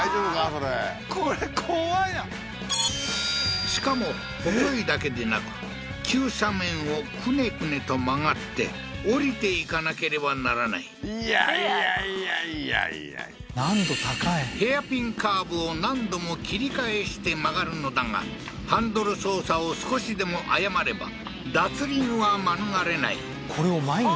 それこれ怖いなしかも細いだけでなく急斜面をクネクネと曲がって下りていかなければならないいやいやいやいやいや難度高いヘアピンカーブを何度も切り返して曲がるのだがハンドル操作を少しでも誤れば脱輪は免れないこれを毎日？